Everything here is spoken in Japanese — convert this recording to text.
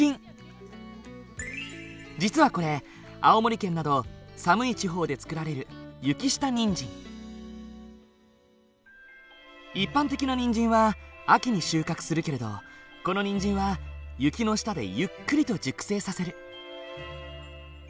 実はこれ青森県など寒い地方で作られる一般的なにんじんは秋に収穫するけれどこのにんじんは雪の下でゆっくりと熟成させる。